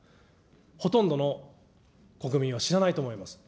ほとんどの国民は知らないと思います。